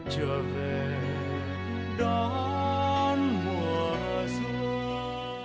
trở về đón mùa xuân